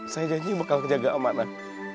saya janji bakal kejaga amanah